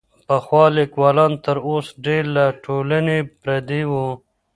پخوا ليکوالان تر اوس ډېر له ټولني پردي وو.